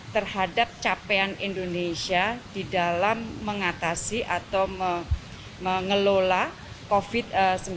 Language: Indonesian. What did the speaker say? terhadap capaian indonesia di dalam mengatasi atau mengelola covid sembilan belas